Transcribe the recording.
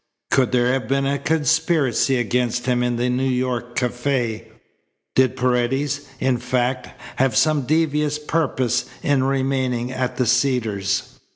Could there have been a conspiracy against him in the New York cafe? Did Paredes, in fact, have some devious purpose in remaining at the Cedars?